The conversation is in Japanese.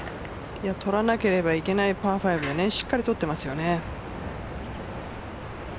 取らなければいけないパー５でしっかり取っていますよね。